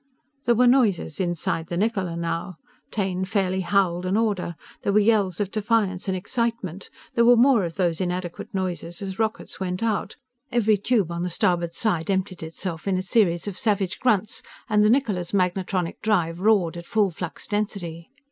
There were noises inside the Niccola, now. Taine fairly howled an order. There were yells of defiance and excitement. There were more of those inadequate noises as rockets went out every tube on the starboard side emptied itself in a series of savage grunts and the Niccola's magnetronic drive roared at full flux density.